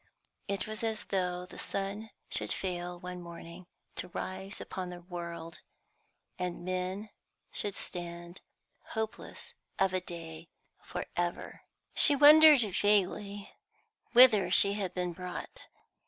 It was as though the sun should fail one morning to rise upon the world, and men should stand hopeless of day for ever. She wondered vaguely whither she had been brought.